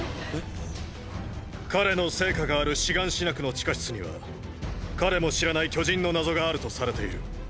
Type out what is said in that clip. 彼の生家があるシガンシナ区の地下室には彼も知らない巨人の謎があるとされている。